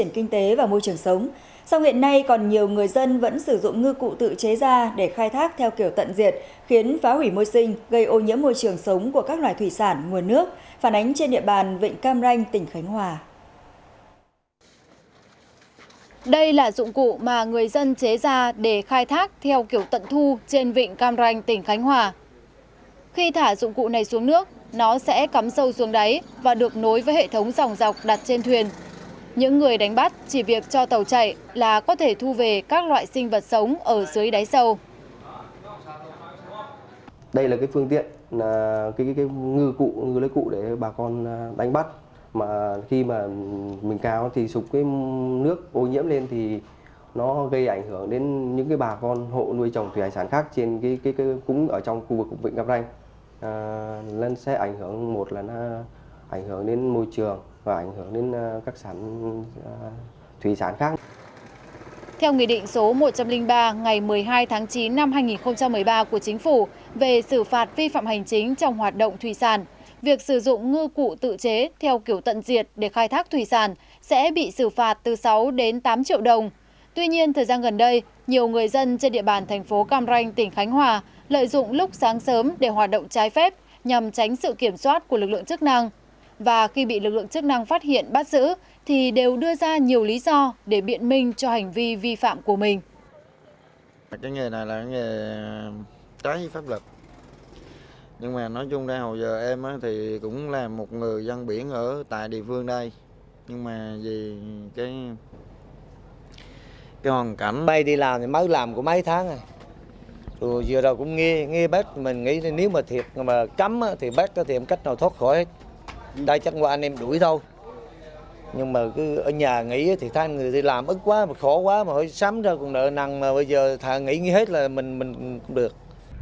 khổ quá mà sắm ra quần đội năng mà bây giờ thả nghỉ như hết là mình cũng được